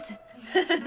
フフフ。